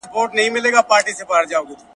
ایا کوچني پلورونکي وچ توت اخلي؟